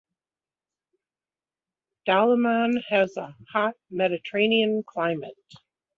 Dalaman has a hot Mediterranean climate.